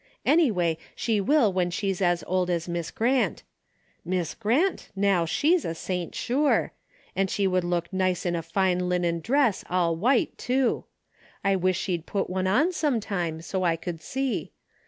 Anyway, she will when she's as old as Miss Grant. Miss Grant, now, she's a saint sure I And she would look nice in a fine linen dress all white, too. I wish she'd put one on some time, so I could see.